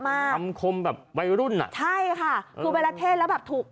คำคมแบบวัยรุ่นอ่ะใช่ค่ะคือเวลาเทศแล้วแบบถูก